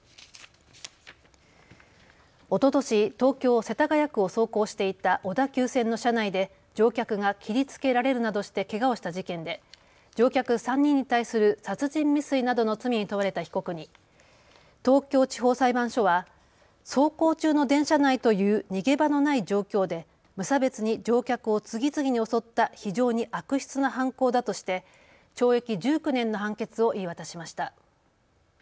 おととし東京世田谷区を走行していた小田急線の車内で乗客が切りつけられるなどしてけがをした事件で乗客３人に対する殺人未遂などの罪に問われた被告に東京地方裁判所は走行中の電車内という逃げ場のない状況で無差別に乗客を次々に襲った非常に悪質な犯行だとして懲役１９年の判決を言い渡しました。